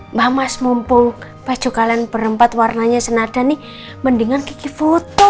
mbak mas mumpung baju kalian berempat warnanya senada nih mendingan kiki foto